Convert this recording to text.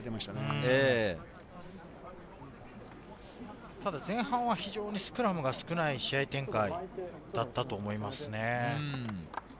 ただ前半はスクラムが非常に少ない試合展開だったと思いますね。